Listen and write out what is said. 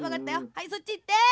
はいそっちいって。